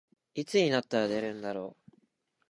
いつになったら出るんだろう